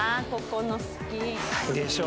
でしょ⁉